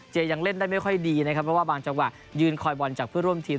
ยังเล่นได้ไม่ค่อยดีนะครับเพราะว่าบางจังหวะยืนคอยบอลจากเพื่อร่วมทีม